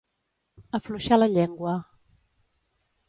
Afluixar la llengua.